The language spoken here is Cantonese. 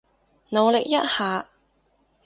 努力一下